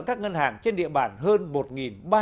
các ngân hàng trên địa bàn hơn